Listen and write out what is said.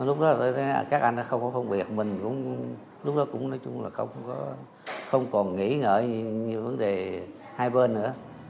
lúc đó tôi thấy các anh không có phong biệt mình cũng lúc đó cũng nói chung là không còn nghĩ ngợi vấn đề hai bên nữa